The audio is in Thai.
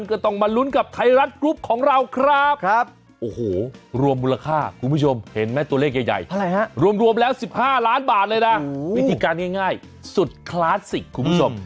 เพราะอะไรฮะรวมแล้ว๑๕ล้านบาทเลยนะวิธีการง่ายสุดคลาสสิคคุณผู้ชม